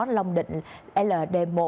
long định ld một